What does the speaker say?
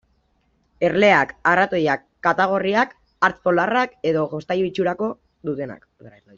Erleak, arratoiak, katagorriak, hartz polarrak edo jostailu itxura dutenak.